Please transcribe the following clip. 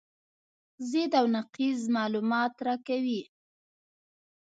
ضد او نقیض معلومات راکوي.